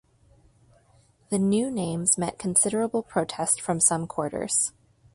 The new names met considerable protest from some quarters.